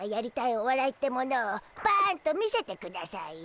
おわらいってものをパンと見せてくだしゃいよ。